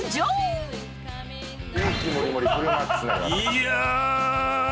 いや。